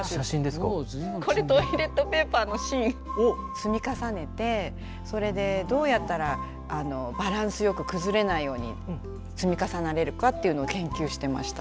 積み重ねてそれでどうやったらバランスよく崩れないように積み重ねられるかっていうのを研究してました。